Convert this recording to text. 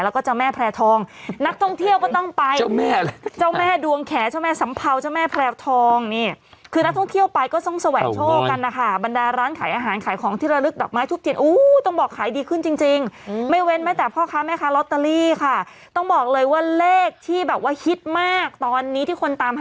แล้วก็เจ้าแม่แพร่ทองนักท่องเที่ยวก็ต้องไปเจ้าแม่เจ้าแม่ดวงแขเจ้าแม่สัมเภาเจ้าแม่แพร่ทองนี่คือนักท่องเที่ยวไปก็ต้องแสวงโชคกันนะคะบรรดาร้านขายอาหารขายของที่ระลึกดอกไม้ทุบเทียนอู้ต้องบอกขายดีขึ้นจริงจริงไม่เว้นแม้แต่พ่อค้าแม่ค้าลอตเตอรี่ค่ะต้องบอกเลยว่าเลขที่แบบว่าฮิตมากตอนนี้ที่คนตามหา